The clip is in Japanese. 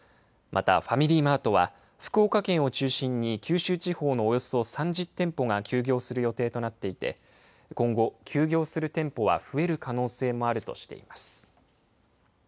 またファミリーマートは福岡県を中心に九州地方のおよそ３０店舗が休業する予定となっていて今後、休業する店舗は増える可能性もあるとしています。